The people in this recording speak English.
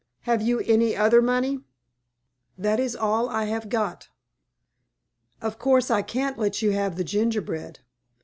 "Have you any other money?" "That is all I have got." "Of course, I can't let you have the gingerbread.